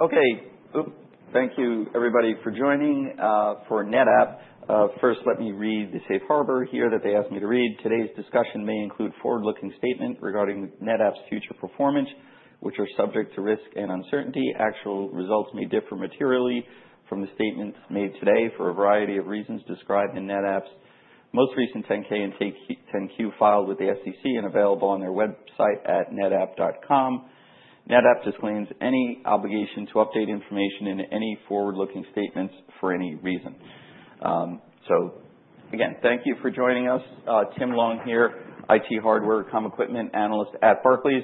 Thank you, everybody, for joining. For NetApp, first, let me read the safe harbor here that they asked me to read. Today's discussion may include forward-looking statements regarding NetApp's future performance, which are subject to risk and uncertainty. Actual results may differ materially from the statements made today for a variety of reasons described in NetApp's most recent 10-K and 10-Q filed with the SEC and available on their website at netapp.com. NetApp disclaims any obligation to update information in any forward-looking statements for any reason. So again, thank you for joining us. Tim Long here, IT hardware, communications equipment analyst at Barclays.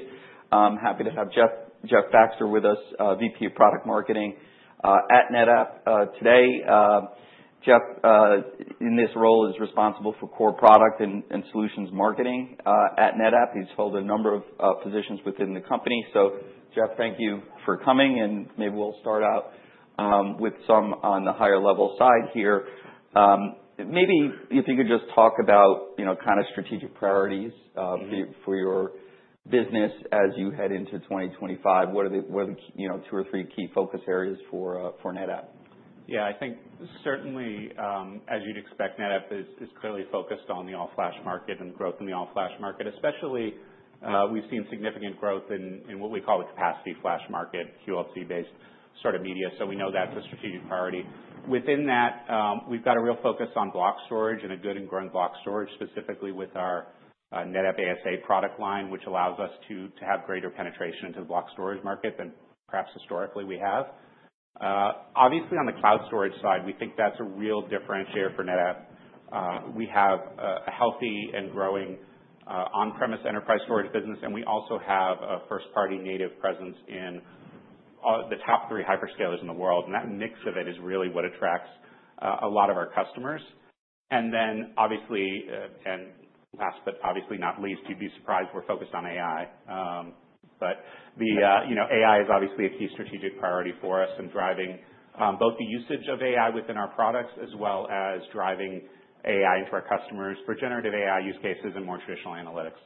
Happy to have Jeff Baxter with us, VP of Product Marketing at NetApp today. Jeff, in this role, is responsible for core product and solutions marketing at NetApp. He's held a number of positions within the company. So, Jeff, thank you for coming. Maybe we'll start out with some on the higher-level side here. Maybe if you could just talk about, you know, kind of strategic priorities for your business as you head into 2025. What are the, you know, two or three key focus areas for NetApp? I think certainly, as you'd expect, NetApp is clearly focused on the all-flash market and the growth in the all-flash market. Especially, we've seen significant growth in what we call the capacity flash market, QLC-based sort of media. So we know that's a strategic priority. Within that, we've got a real focus on block storage and a good and growing block storage, specifically with our NetApp ASA product line, which allows us to have greater penetration into the block storage market than perhaps historically we have. Obviously, on the cloud storage side, we think that's a real differentiator for NetApp. We have a healthy and growing on-premise enterprise storage business. And we also have a first-party native presence in the top three hyperscalers in the world. And that mix of it is really what attracts a lot of our customers. And then, obviously, and last but obviously not least, you'd be surprised, we're focused on AI, but the, you know, AI is obviously a key strategic priority for us in driving both the usage of AI within our products as well as driving AI into our customers for generative AI use cases and more traditional analytics.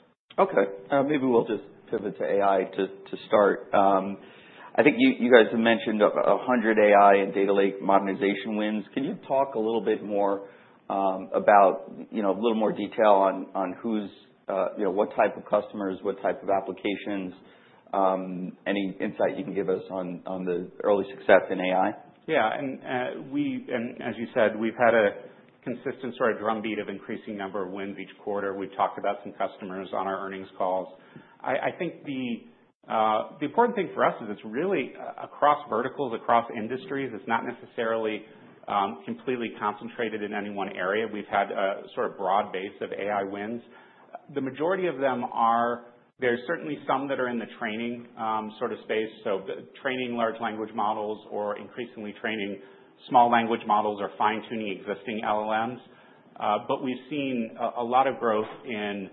Maybe we'll just pivot to AI to start. I think you guys have mentioned 100 AI and data lake modernization wins. Can you talk a little bit more about, you know, a little more detail on who's, you know, what type of customers, what type of applications, any insight you can give us on the early success in AI? And as you said, we've had a consistent sort of drumbeat of increasing number of wins each quarter. We've talked about some customers on our earnings calls. I think the important thing for us is it's really across verticals, across industries. It's not necessarily completely concentrated in any one area. We've had a sort of broad base of AI wins. The majority of them are. There's certainly some that are in the training sort of space. So training large language models or increasingly training small language models or fine-tuning existing LLMs. But we've seen a lot of growth in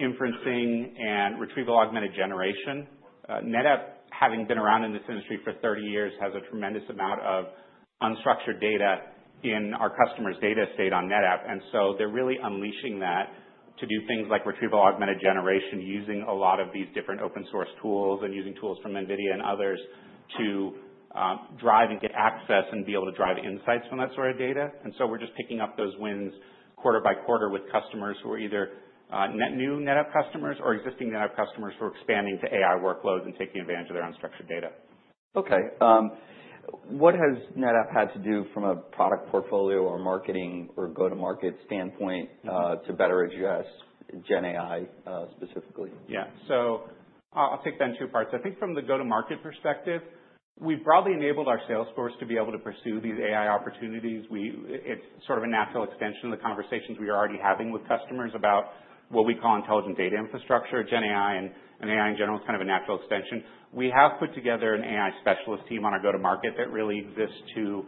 inferencing and retrieval-augmented generation. NetApp, having been around in this industry for 30 years, has a tremendous amount of unstructured data in our customers' data estate on NetApp. And so they're really unleashing that to do things like retrieval-augmented generation using a lot of these different open-source tools and using tools from NVIDIA and others to drive and get access and be able to drive insights from that sort of data. And so we're just picking up those wins quarter by quarter with customers who are either net new NetApp customers or existing NetApp customers who are expanding to AI workloads and taking advantage of their unstructured data. What has NetApp had to do from a product portfolio or marketing or go-to-market standpoint, to better address GenAI, specifically? So I'll, I'll take that in two parts. I think from the go-to-market perspective, we've broadly enabled our sales force to be able to pursue these AI opportunities. We, it's sort of a natural extension of the conversations we are already having with customers about what we call intelligent data infrastructure. GenAI and AI in general is kind of a natural extension. We have put together an AI specialist team on our go-to-market that really exists to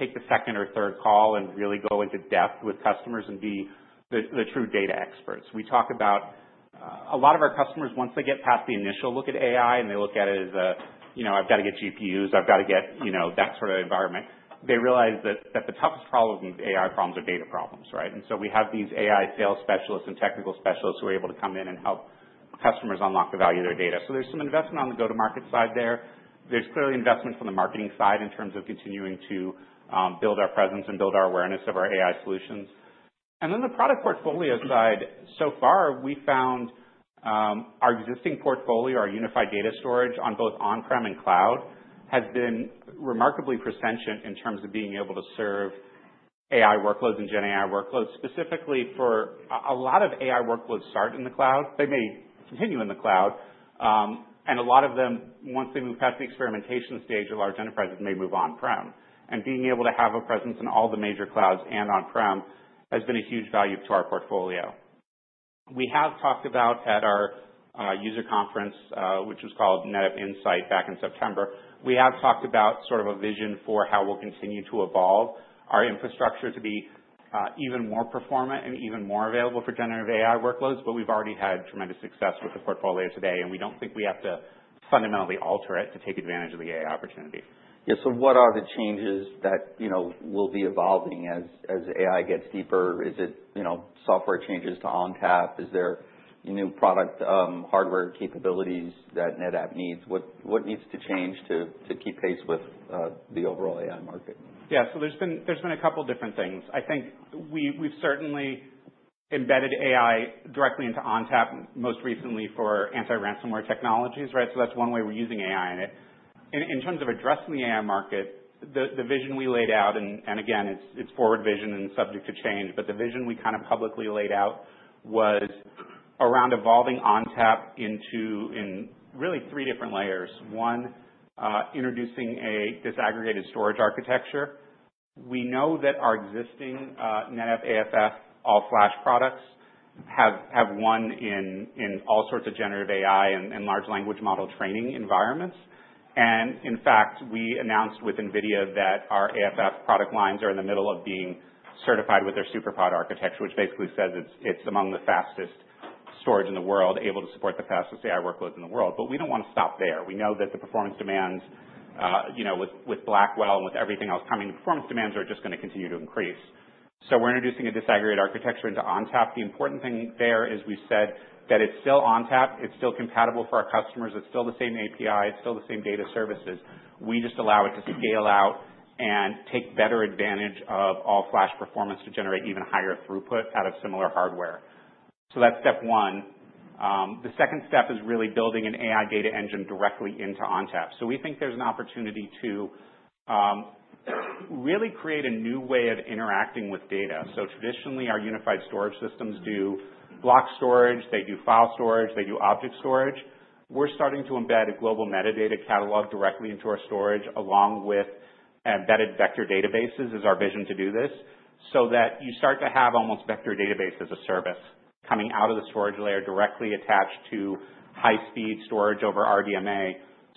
take the second or third call and really go into depth with customers and be the true data experts. We talk about a lot of our customers, once they get past the initial look at AI and they look at it as a, you know, I've got to get GPUs, I've got to get, you know, that sort of environment. They realize that the toughest problem with AI problems are data problems, right? And so we have these AI sales specialists and technical specialists who are able to come in and help customers unlock the value of their data. So there's some investment on the go-to-market side there. There's clearly investment from the marketing side in terms of continuing to build our presence and build our awareness of our AI solutions. Then the product portfolio side, so far we found our existing portfolio, our unified data storage on both on-prem and cloud, has been remarkably resilient in terms of being able to serve AI workloads and GenAI workloads. Specifically, a lot of AI workloads start in the cloud. They may continue in the cloud. A lot of them, once they move past the experimentation stage, large enterprises may move on-prem. Being able to have a presence in all the major clouds and on-prem has been a huge value to our portfolio. We talked about, at our user conference, which was called NetApp Insight back in September, sort of a vision for how we'll continue to evolve our infrastructure to be even more performant and even more available for generative AI workloads. But we've already had tremendous success with the portfolio today. We don't think we have to fundamentally alter it to take advantage of the AI opportunity. So what are the changes that, you know, will be evolving as AI gets deeper? Is it, you know, software changes to ONTAP? Is there new product, hardware capabilities that NetApp needs? What needs to change to keep pace with the overall AI market? So there's been a couple different things. I think we've certainly embedded AI directly into ONTAP most recently for anti-ransomware technologies, right? So that's one way we're using AI in it. In terms of addressing the AI market, the vision we laid out, and again, it's forward vision and subject to change, but the vision we kind of publicly laid out was around evolving ONTAP into really three different layers. One, introducing a disaggregated storage architecture. We know that our existing NetApp AFF all-flash products have won in all sorts of generative AI and large language model training environments. In fact, we announced with NVIDIA that our AFF product lines are in the middle of being certified with their SuperPOD architecture, which basically says it's, it's among the fastest storage in the world, able to support the fastest AI workloads in the world. We don't want to stop there. We know that the performance demands, you know, with, with Blackwell and with everything else coming, the performance demands are just going to continue to increase. We're introducing a disaggregated architecture into ONTAP. The important thing there is we've said that it's still ONTAP. It's still compatible for our customers. It's still the same API. It's still the same data services. We just allow it to scale out and take better advantage of all-flash performance to generate even higher throughput out of similar hardware. That's step one. The second step is really building an AI data engine directly into ONTAP. So we think there's an opportunity to really create a new way of interacting with data. So traditionally, our unified storage systems do block storage. They do file storage. They do object storage. We're starting to embed a global metadata catalog directly into our storage along with embedded vector databases. This is our vision to do this so that you start to have almost vector database as a service coming out of the storage layer directly attached to high-speed storage over RDMA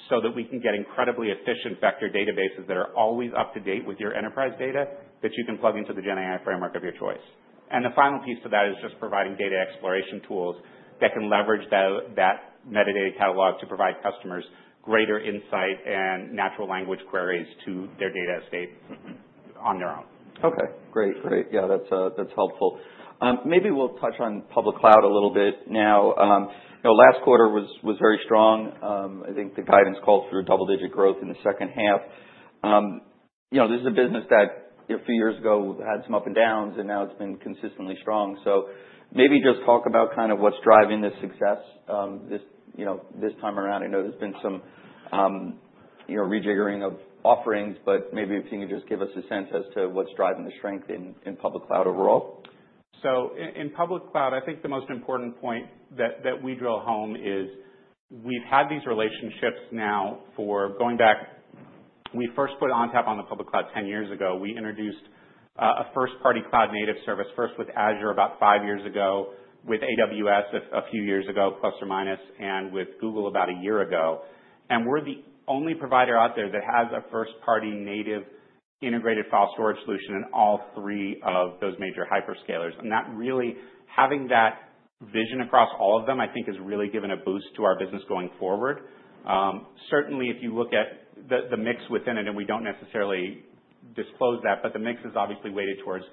so that we can get incredibly efficient vector databases that are always up to date with your enterprise data that you can plug into the GenAI framework of your choice. The final piece to that is just providing data exploration tools that can leverage that metadata catalog to provide customers greater insight and natural language queries to their data estate on their own. Great. That's helpful. Maybe we'll touch on public cloud a little bit now. You know, last quarter was very strong. I think the guidance called for double-digit growth in the H2. You know, this is a business that a few years ago had some up and downs, and now it's been consistently strong. So maybe just talk about kind of what's driving this success, this, you know, this time around. I know there's been some, you know, rejiggering of offerings, but maybe if you can just give us a sense as to what's driving the strength in public cloud overall. In public cloud, I think the most important point that we drill home is we've had these relationships now for going back. We first put ONTAP on the public cloud 10 years ago. We introduced a first-party cloud-native service first with Azure about five years ago, with AWS a few years ago, plus or minus, and with Google about a year ago. And we're the only provider out there that has a first-party native integrated file storage solution in all three of those major hyperscalers. And that really having that vision across all of them, I think, has really given a boost to our business going forward. Certainly, if you look at the mix within it, and we don't necessarily disclose that, but the mix is obviously weighted towards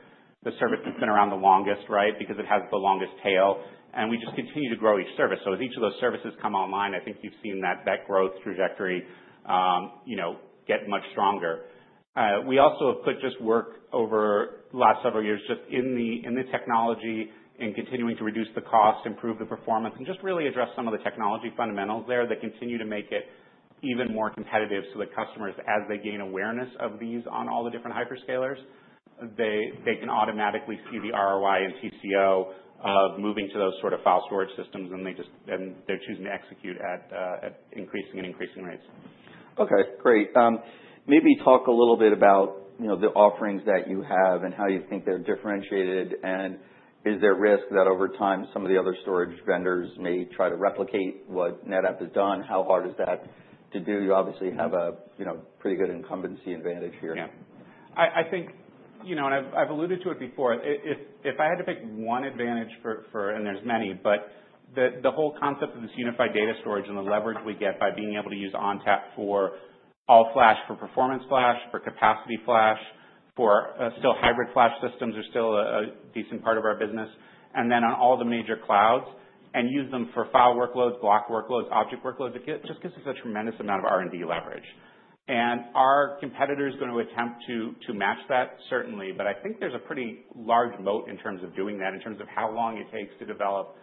the service that's been around the longest, right, because it has the longest tail. We just continue to grow each service. As each of those services come online, I think you've seen that growth trajectory, you know, get much stronger. We also have put just work over the last several years just in the technology and continuing to reduce the cost, improve the performance, and just really address some of the technology fundamentals there that continue to make it even more competitive so that customers, as they gain awareness of these on all the different hyperscalers, they can automatically see the ROI and TCO of moving to those sort of file storage systems. They're just choosing to execute at increasing rates. Great. Maybe talk a little bit about, you know, the offerings that you have and how you think they're differentiated, and is there risk that over time some of the other storage vendors may try to replicate what NetApp has done? How hard is that to do? You obviously have a, you know, pretty good incumbency advantage here. I think, you know, and I've alluded to it before. If I had to pick one advantage for, and there's many, but the whole concept of this unified data storage and the leverage we get by being able to use ONTAP for all-flash for performance flash, for capacity flash, for still hybrid flash systems are still a decent part of our business, and then on all the major clouds and use them for file workloads, block workloads, object workloads, it just gives us a tremendous amount of R&D leverage. And our competitors are going to attempt to match that, certainly. But I think there's a pretty large moat in terms of doing that, in terms of how long it takes to develop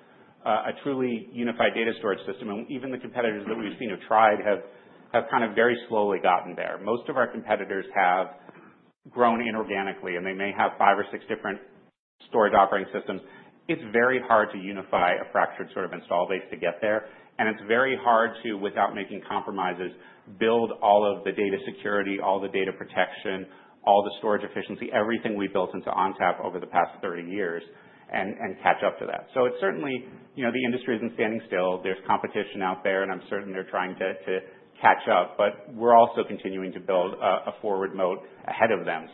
a truly unified data storage system. And even the competitors that we've seen have tried have kind of very slowly gotten there. Most of our competitors have grown inorganically, and they may have five or six different storage operating systems. It's very hard to unify a fractured sort of installed base to get there. And it's very hard to, without making compromises, build all of the data security, all the data protection, all the storage efficiency, everything we built into ONTAP over the past 30 years and catch up to that. So it's certainly, you know, the industry isn't standing still. There's competition out there, and I'm certain they're trying to catch up. But we're also continuing to build a forward moat ahead of them.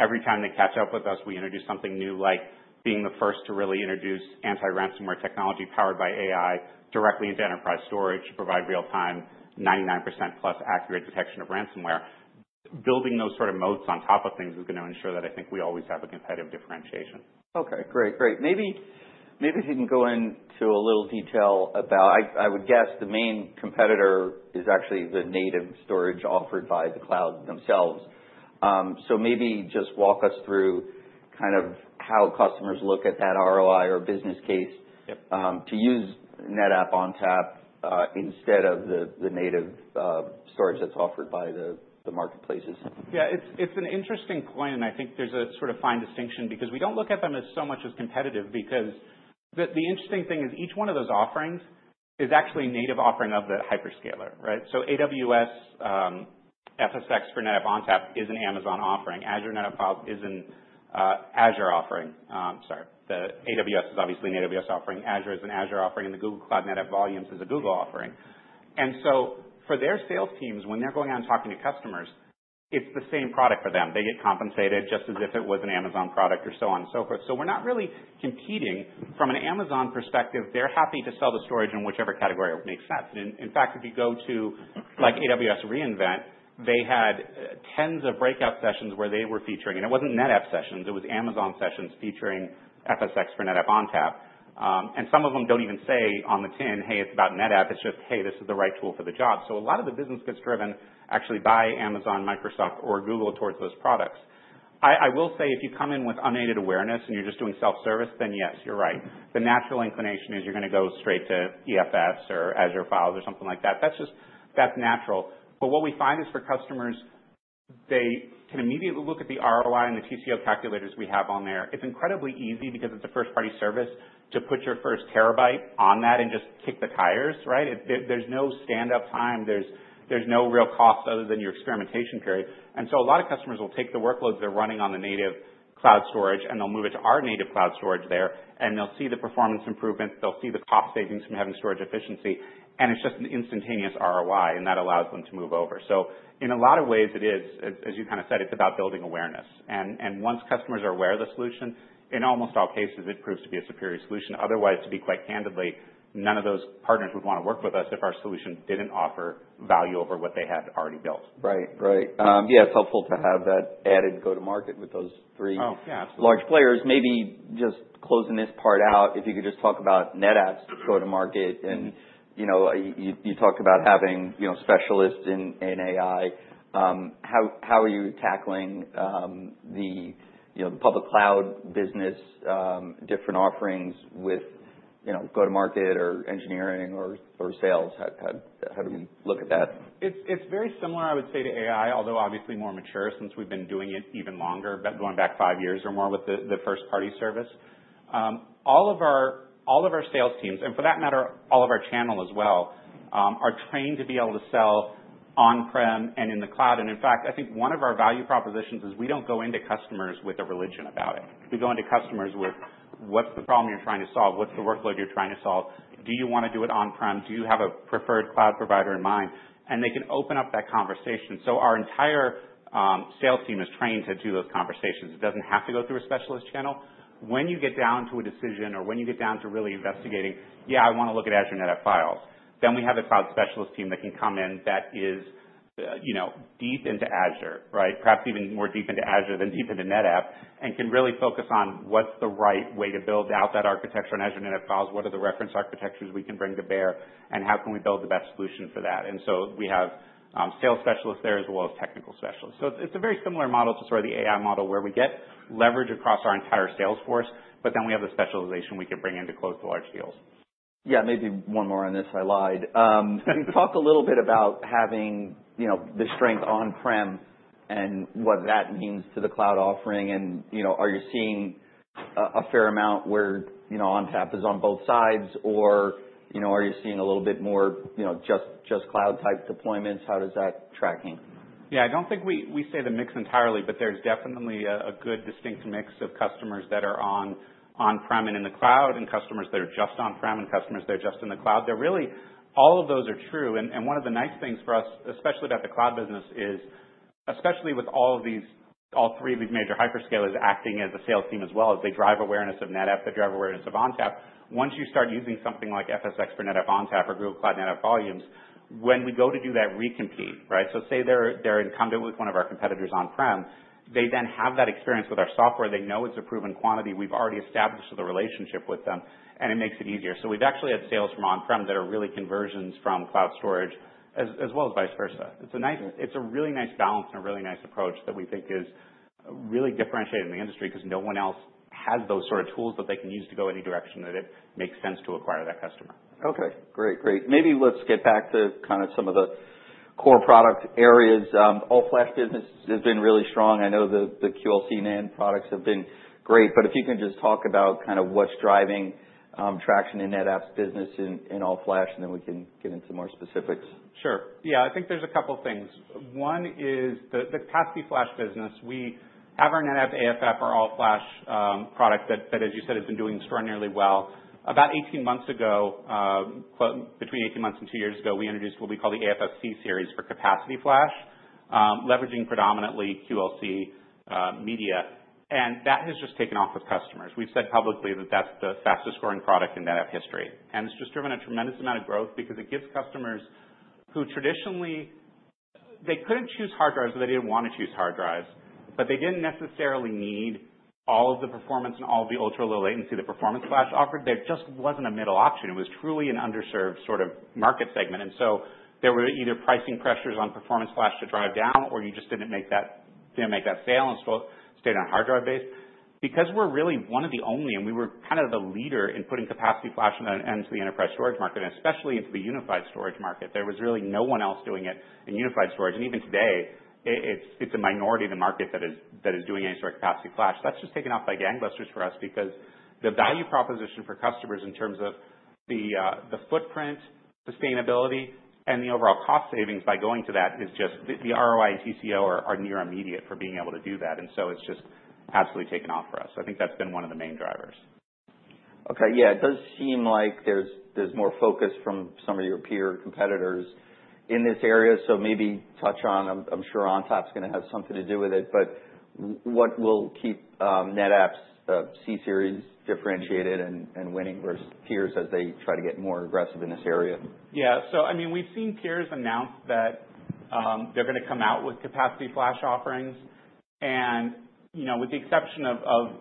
Every time they catch up with us, we introduce something new, like being the first to really introduce anti-ransomware technology powered by AI directly into enterprise storage to provide real-time 99% plus accurate detection of ransomware. Building those sort of moats on top of things is going to ensure that I think we always have a competitive differentiation. Great. Maybe if you can go into a little detail about, I would guess the main competitor is actually the native storage offered by the cloud themselves. So maybe just walk us through kind of how customers look at that ROI or business case. Yep. to use NetApp ONTAP, instead of the native storage that's offered by the marketplaces. It's, it's an interesting point. And I think there's a sort of fine distinction because we don't look at them as so much as competitive because the, the interesting thing is each one of those offerings is actually native offering of the hyperscaler, right? So AWS, FSx for NetApp ONTAP is an Amazon offering. Azure NetApp Files is an Azure offering. Sorry. The AWS is obviously an AWS offering. Azure is an Azure offering. And the Google Cloud NetApp Volumes is a Google offering. And so for their sales teams, when they're going out and talking to customers, it's the same product for them. They get compensated just as if it was an Amazon product or so on and so forth. So we're not really competing. From an Amazon perspective, they're happy to sell the storage in whichever category makes sense. And in fact, if you go to, like, AWS re:Invent, they had tens of breakout sessions where they were featuring. And it wasn't NetApp sessions. It was Amazon sessions featuring FSx for NetApp ONTAP, and some of them don't even say on the tin, "Hey, it's about NetApp." It's just, "Hey, this is the right tool for the job." So a lot of the business gets driven actually by Amazon, Microsoft, or Google towards those products. I will say if you come in with unaided awareness and you're just doing self-service, then yes, you're right. The natural inclination is you're going to go straight to EFS or Azure Files or something like that. That's just, that's natural. But what we find is for customers, they can immediately look at the ROI and the TCO calculators we have on there. It's incredibly easy because it's a first-party service to put your first terabyte on that and just kick the tires, right? There's no stand-up time. There's no real cost other than your experimentation period. And so a lot of customers will take the workloads they're running on the native cloud storage, and they'll move it to our native cloud storage there. And they'll see the performance improvements. They'll see the cost savings from having storage efficiency. And it's just an instantaneous ROI, and that allows them to move over. So in a lot of ways, it is, as you kind of said, it's about building awareness. And once customers are aware of the solution, in almost all cases, it proves to be a superior solution. Otherwise, to be quite candidly, none of those partners would want to work with us if our solution didn't offer value over what they had already built. Right, it's helpful to have that added go-to-market with those three. Absolutely. Large players. Maybe just closing this part out, if you could just talk about NetApp's go-to-market. And, you know, you talked about having, you know, specialists in AI. How are you tackling the, you know, the public cloud business, different offerings with, you know, go-to-market or engineering or sales? How do we look at that? It’s very similar, I would say, to AI, although obviously more mature since we’ve been doing it even longer, going back five years or more with the first-party service. All of our sales teams, and for that matter, all of our channel as well, are trained to be able to sell on-prem and in the cloud. And in fact, I think one of our value propositions is we don’t go into customers with a religion about it. We go into customers with, “What’s the problem you’re trying to solve? What’s the workload you’re trying to solve? Do you want to do it on-prem? Do you have a preferred cloud provider in mind?” And they can open up that conversation. So our entire sales team is trained to do those conversations. It doesn’t have to go through a specialist channel. When you get down to a decision or when you get down to really investigating, "I want to look at Azure NetApp Files," then we have a cloud specialist team that can come in that is, you know, deep into Azure, right, perhaps even more deep into Azure than deep into NetApp, and can really focus on what's the right way to build out that architecture on Azure NetApp Files, what are the reference architectures we can bring to bear, and how can we build the best solution for that, and so we have sales specialists there as well as technical specialists, so it's a very similar model to sort of the AI model where we get leverage across our entire sales force, but then we have the specialization we can bring in to close the large deals. Maybe one more on this. I lied. Can you talk a little bit about having, you know, the strength on-prem and what that means to the cloud offering? And, you know, are you seeing a fair amount where, you know, ONTAP is on both sides, or, you know, are you seeing a little bit more, you know, just cloud-type deployments? How does that track? I don't think we say the mix entirely, but there's definitely a good distinct mix of customers that are on-prem and in the cloud and customers that are just on-prem and customers that are just in the cloud. They're really all of those are true. One of the nice things for us, especially about the cloud business, is especially with all three of these major hyperscalers acting as a sales team as well as they drive awareness of NetApp. They drive awareness of ONTAP. Once you start using something like FSx for NetApp ONTAP or Google Cloud NetApp Volumes, when we go to do that re-compete, right, so say they're incumbent with one of our competitors on-prem, they then have that experience with our software. They know it's a proven quantity. We've already established the relationship with them, and it makes it easier. So we've actually had sales from on-prem that are really conversions from cloud storage as, as well as vice versa. It's a nice, it's a really nice balance and a really nice approach that we think is really differentiating the industry because no one else has those sort of tools that they can use to go any direction that it makes sense to acquire that customer. Great. Great. Maybe let's get back to kind of some of the core product areas. All-flash business has been really strong. I know the QLC NAND products have been great. But if you can just talk about kind of what's driving traction in NetApp's business in all-flash, and then we can get into more specifics. Sure. I think there's a couple of things. One is the capacity flash business. We have our NetApp AFF or all-flash product that, as you said, has been doing extraordinarily well. About 18 months ago, between 18 months and two years ago, we introduced what we call the AFF C-Series for capacity flash, leveraging predominantly QLC media. And that has just taken off with customers. We've said publicly that that's the fastest scoring product in NetApp history. And it's just driven a tremendous amount of growth because it gives customers who traditionally, they couldn't choose hard drives or they didn't want to choose hard drives, but they didn't necessarily need all of the performance and all of the ultra-low latency that performance flash offered. There just wasn't a middle option. It was truly an underserved sort of market segment. And so there were either pricing pressures on performance flash to drive down, or you just didn't make that sale and still stayed on hard drive base because we're really one of the only, and we were kind of the leader in putting capacity flash into the enterprise storage market, and especially into the unified storage market. There was really no one else doing it in unified storage. And even today, it's a minority of the market that is doing any sort of capacity flash. That's just taken off by gangbusters for us because the value proposition for customers in terms of the footprint, sustainability, and the overall cost savings by going to that is just the ROI and TCO are near immediate for being able to do that. And so it's just absolutely taken off for us. I think that's been one of the main drivers. It does seem like there's more focus from some of your peer competitors in this area. So maybe touch on. I'm sure ONTAP's going to have something to do with it. But what will keep NetApp's C-Series differentiated and winning versus peers as they try to get more aggressive in this area? So, I mean, we've seen peers announce that they're going to come out with capacity flash offerings. And, you know, with the exception of, of,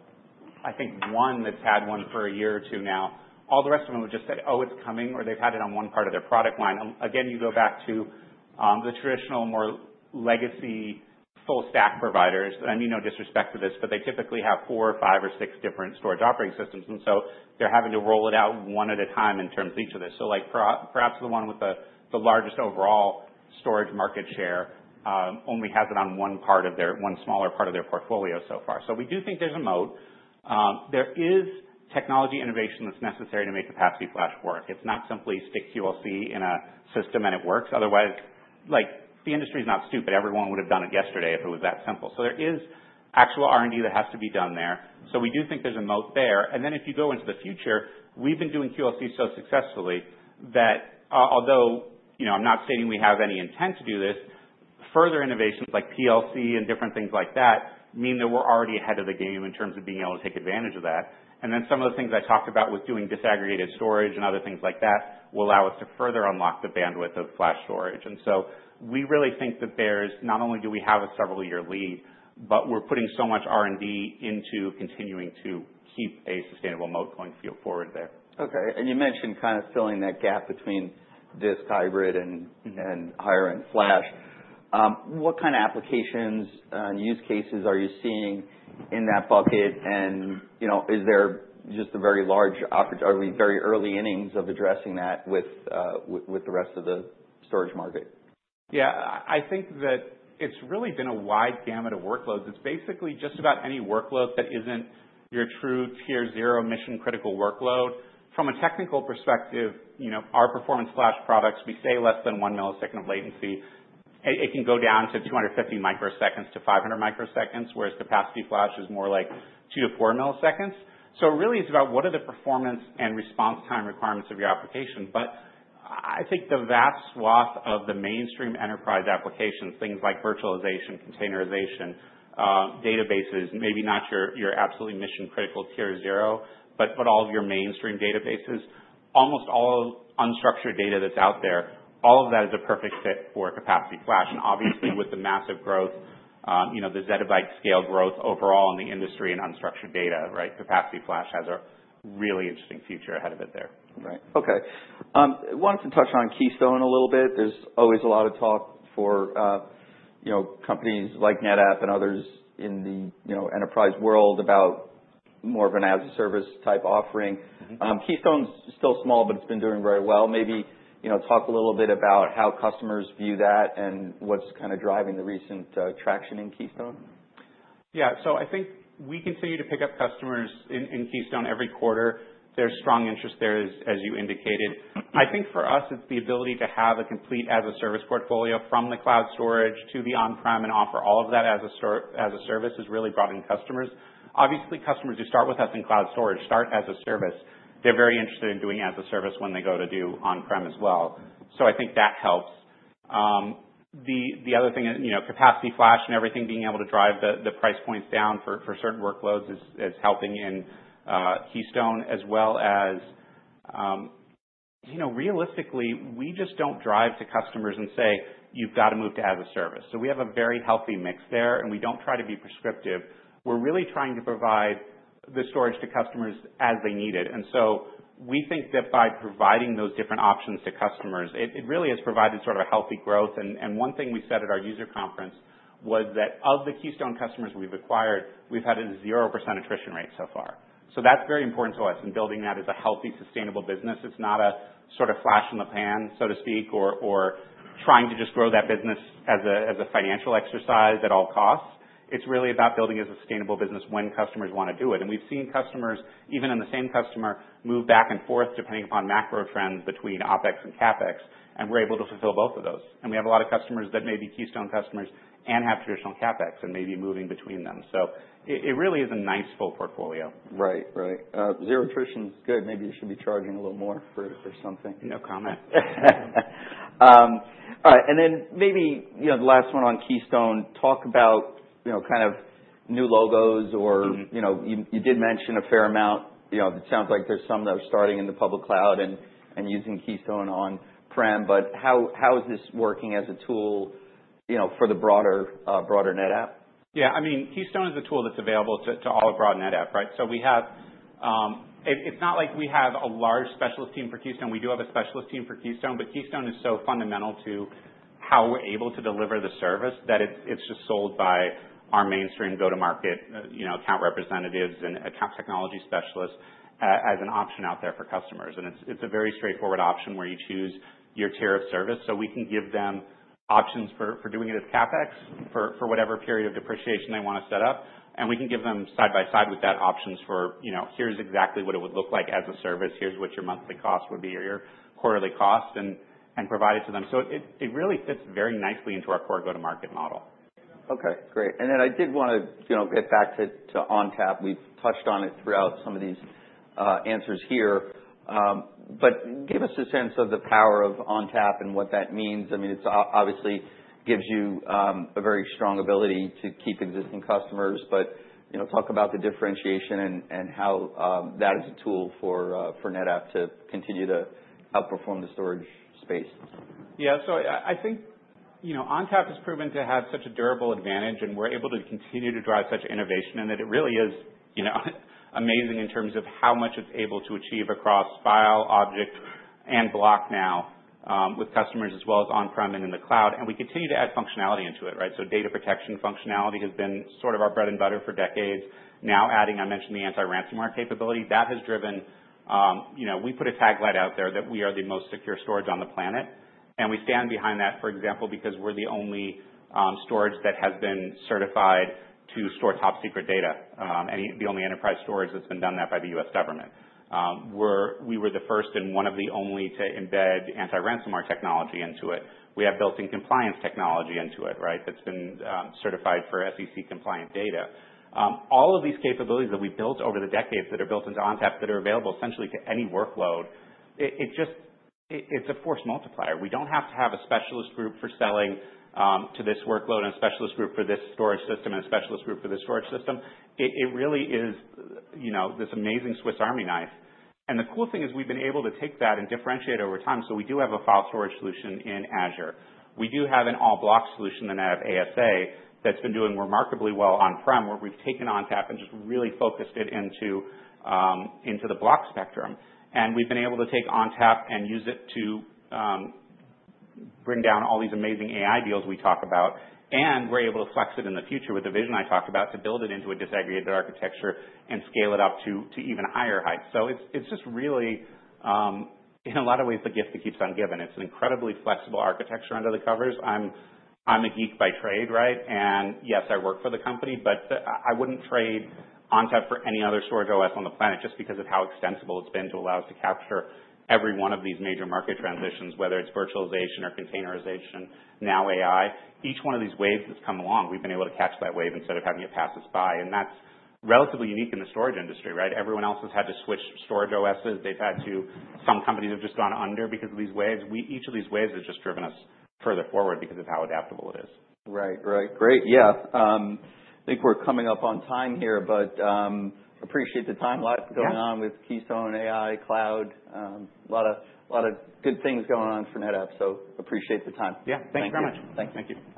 I think, one that's had one for a year or two now, all the rest of them have just said, "Oh, it's coming," or they've had it on one part of their product line. Again, you go back to the traditional, more legacy full-stack providers. And I mean no disrespect to this, but they typically have four or five or six different storage operating systems. And so they're having to roll it out one at a time in terms of each of this. So, like, perhaps the one with the largest overall storage market share only has it on one part of their, one smaller part of their portfolio so far. So we do think there's a moat. There is technology innovation that's necessary to make capacity flash work. It's not simply stick QLC in a system and it works. Otherwise, like, the industry's not stupid. Everyone would have done it yesterday if it was that simple. So there is actual R&D that has to be done there. So we do think there's a moat there. And then if you go into the future, we've been doing QLC so successfully that, although, you know, I'm not stating we have any intent to do this, further innovations like PLC and different things like that mean that we're already ahead of the game in terms of being able to take advantage of that. And then some of the things I talked about with doing disaggregated storage and other things like that will allow us to further unlock the bandwidth of flash storage. We really think that there's not only do we have a several-year lead, but we're putting so much R&D into continuing to keep a sustainable moat going forward there. And you mentioned kind of filling that gap between disk, hybrid, and higher-end flash. What kind of applications and use cases are you seeing in that bucket? And, you know, is there just a very large offer? Are we very early innings of addressing that with the rest of the storage market? I think that it's really been a wide gamut of workloads. It's basically just about any workload that isn't your true tier zero mission-critical workload. From a technical perspective, you know, our performance flash products, we say less than one millisecond of latency. It can go down to 250 microseconds to 500 microseconds, whereas capacity flash is more like two to four milliseconds. So it really is about what are the performance and response time requirements of your application. But I think the vast swath of the mainstream enterprise applications, things like virtualization, containerization, databases, maybe not your absolutely mission-critical tier zero, but all of your mainstream databases, almost all unstructured data that's out there, all of that is a perfect fit for capacity flash. Obviously, with the massive growth, you know, the zettabyte scale growth overall in the industry in unstructured data, right, capacity flash has a really interesting future ahead of it there. Right. I wanted to touch on Keystone a little bit. There's always a lot of talk for, you know, companies like NetApp and others in the, you know, enterprise world about more of an as-a-service type offering. Keystone's still small, but it's been doing very well. Maybe, you know, talk a little bit about how customers view that and what's kind of driving the recent traction in Keystone. So I think we continue to pick up customers in Keystone every quarter. There's strong interest there as you indicated. I think for us, it's the ability to have a complete as-a-service portfolio from the cloud storage to the on-prem and offer all of that as storage as a service has really brought in customers. Obviously, customers who start with us in cloud storage as a service. They're very interested in doing as-a-service when they go to do on-prem as well. So I think that helps. The other thing, you know, capacity flash and everything being able to drive the price points down for certain workloads is helping in Keystone as well as, you know, realistically, we just don't drive to customers and say, "You've got to move to as-a-service." So we have a very healthy mix there, and we don't try to be prescriptive. We're really trying to provide the storage to customers as they need it. And so we think that by providing those different options to customers, it really has provided sort of a healthy growth. And one thing we said at our user conference was that of the Keystone customers we've acquired, we've had a 0% attrition rate so far. So that's very important to us in building that as a healthy, sustainable business. It's not a sort of flash in the pan, so to speak, or trying to just grow that business as a financial exercise at all costs. It's really about building as a sustainable business when customers want to do it, and we've seen customers, even in the same customer, move back and forth depending upon macro trends between OpEx and CapEx, and we're able to fulfill both of those, and we have a lot of customers that may be Keystone customers and have traditional CapEx and may be moving between them, so it really is a nice full portfolio. Right. Right. Zero attrition's good. Maybe you should be charging a little more for something. No comment. All right. And then maybe, you know, the last one on Keystone, talk about, you know, kind of new logos or, you know, you did mention a fair amount. You know, it sounds like there's some that are starting in the public cloud and using Keystone on-prem. But how is this working as a tool, you know, for the broader NetApp? I mean, Keystone is a tool that's available to all of broad NetApp, right? So it's not like we have a large specialist team for Keystone. We do have a specialist team for Keystone, but Keystone is so fundamental to how we're able to deliver the service that it's just sold by our mainstream go-to-market, you know, account representatives and account technology specialists, as an option out there for customers. And it's a very straightforward option where you choose your tier of service. So we can give them options for doing it as CapEx for whatever period of depreciation they want to set up. And we can give them side by side with that options for, you know, here's exactly what it would look like as a service. Here's what your monthly cost would be or your quarterly cost and provide it to them. So it really fits very nicely into our core go-to-market model. Great. And then I did want to, you know, get back to ONTAP. We've touched on it throughout some of these answers here. But give us a sense of the power of ONTAP and what that means. I mean, it's obviously gives you a very strong ability to keep existing customers. But, you know, talk about the differentiation and how that is a tool for NetApp to continue to outperform the storage space. So I, I think, you know, ONTAP has proven to have such a durable advantage, and we're able to continue to drive such innovation in that it really is, you know, amazing in terms of how much it's able to achieve across file, object, and block now, with customers as well as on-prem and in the cloud. And we continue to add functionality into it, right? So data protection functionality has been sort of our bread and butter for decades. Now adding, I mentioned the anti-ransomware capability that has driven, you know, we put a tagline out there that we are the most secure storage on the planet. And we stand behind that, for example, because we're the only storage that has been certified to store top secret data, and the only enterprise storage that's been done so by the U.S. government. We were the first and one of the only to embed anti-ransomware technology into it. We have built-in compliance technology into it, right, that's been certified for SEC-compliant data. All of these capabilities that we built over the decades that are built into ONTAP that are available essentially to any workload, it just, it's a force multiplier. We don't have to have a specialist group for selling to this workload and a specialist group for this storage system and a specialist group for this storage system. It really is, you know, this amazing Swiss Army knife. And the cool thing is we've been able to take that and differentiate over time. So we do have a file storage solution in Azure. We do have an all-block solution in NetApp ASA that's been doing remarkably well on-prem where we've taken ONTAP and just really focused it into the block spectrum, and we've been able to take ONTAP and use it to bring down all these amazing AI deals we talk about, and we're able to flex it in the future with the vision I talked about to build it into a disaggregated architecture and scale it up to even higher heights, so it's just really, in a lot of ways, the gift that keeps on giving. It's an incredibly flexible architecture under the covers. I'm a geek by trade, right? And yes, I work for the company, but I wouldn't trade ONTAP for any other storage OS on the planet just because of how extensible it's been to allow us to capture every one of these major market transitions, whether it's virtualization or containerization, now AI. Each one of these waves that's come along, we've been able to catch that wave instead of having it pass us by. And that's relatively unique in the storage industry, right? Everyone else has had to switch storage OSs. They've had to; some companies have just gone under because of these waves. We, each of these waves has just driven us further forward because of how adaptable it is. Right. Right. Great. I think we're coming up on time here, but appreciate the timeline going on with Keystone AI Cloud. A lot of good things going on for NetApp. So appreciate the time. Thank you very much. Thank you. Thank you.